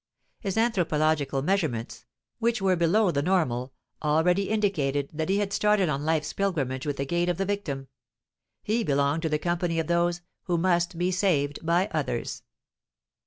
His anthropological measurements, which were below the normal, already indicated that he had started on life's pilgrimage with the gait of the victim; he belonged to the company of those "who must be saved by others."